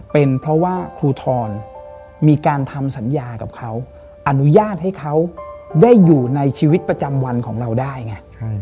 เป็นเพราะว่าครูทรมีการทำสัญญากับเขาอนุญาตให้เขาได้อยู่ในชีวิตประจำวันของเราได้ไง